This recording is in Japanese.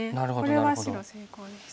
これは白先行です。